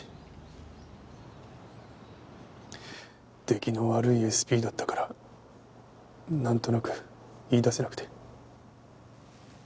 出来の悪いＳＰだったからなんとなく言い出せなくて。